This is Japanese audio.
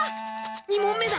２問目だ。